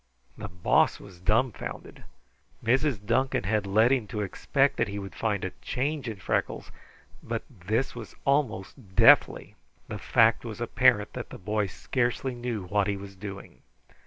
The Boss was dumbfounded. Mrs. Duncan had led him to expect that he would find a change in Freckles, but this was almost deathly. The fact was apparent that the boy scarcely knew what he was doing.